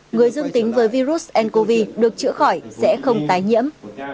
người dương tính với virus ncov được chữa khỏi sẽ không tái nhiễm